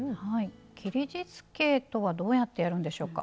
切りじつけとはどうやってやるんでしょうか？